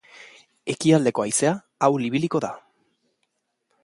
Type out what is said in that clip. Ekialdeko haizea ahul ibiliko da.